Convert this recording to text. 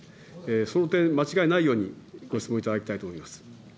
その点、間違いないようにご質問いただきたいと思います。